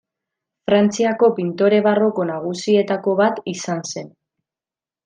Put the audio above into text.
Frantziako pintore barroko nagusietako bat izan zen.